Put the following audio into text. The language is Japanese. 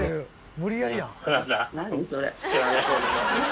無理やりやん」